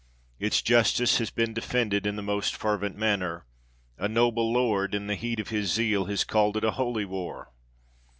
Its justice has been de fended in the most fervent manner. A noble lord, in the heat of his zeal, has called it a holy war.